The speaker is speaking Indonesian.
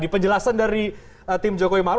di penjelasan dari tim jokowi maru